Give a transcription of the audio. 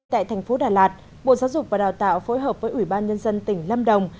tại thành phố đà lạt bộ giáo dục và đào tạo phối hợp với ủy ban nhân dân tỉnh lâm đồng